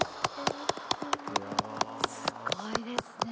すごいですね。